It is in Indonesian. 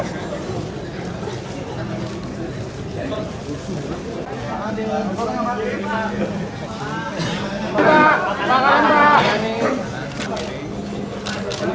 kasih jalan dulu ya kasih jalan